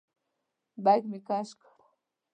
بیک مې کش کړ.